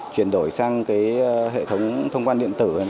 chuyển đổi sang hệ thống thông quan điện tử